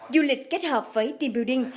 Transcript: du lịch kết hợp với team building